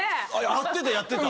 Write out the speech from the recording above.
やってたやってた。